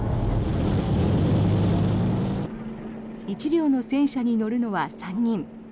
１両の戦車に乗るのは３人。